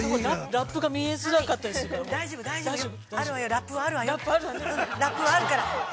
ラップはあるわよ。